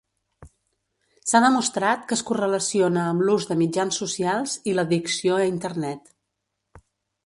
S'ha demostrat que es correlaciona amb l'ús de mitjans socials i l'addicció a Internet.